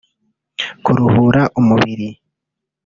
kuruhura umubiri